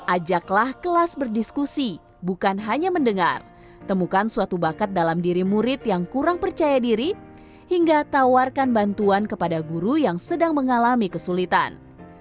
ajaklah kelas berdiskusi bukan hanya mendengar temukan suatu bakat dalam diri murid yang kurang percaya diri hingga tawarkan bantuan kepada guru yang sedang mengalami kesulitan